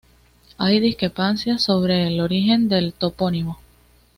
Hay discrepancias sobre el origen del topónimo.